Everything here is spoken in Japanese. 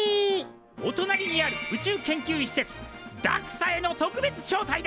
おとなりにある宇宙研究施設ＤＡＸＡへの特別招待だ！